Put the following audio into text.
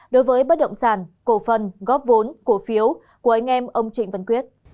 đối với bất động sản cổ phần góp vốn cổ phiếu của anh em ông trịnh văn quyết